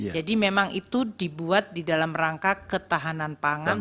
jadi memang itu dibuat di dalam rangka ketahanan pangan